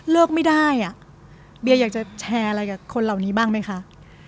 ไม่ได้อ่ะเบียอยากจะแชร์อะไรกับคนเหล่านี้บ้างไหมคะ